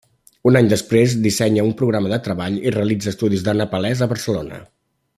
Un any després dissenya un programa de treball i realitza estudis de nepalès a Barcelona.